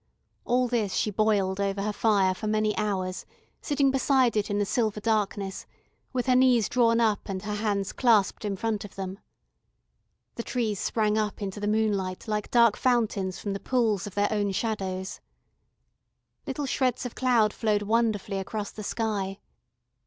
All this she boiled over her fire for many hours, sitting beside it in the silver darkness, with her knees drawn up and her hands clasped in front of them. The trees sprang up into the moonlight like dark fountains from the pools of their own shadows. Little shreds of cloud flowed wonderfully across the sky.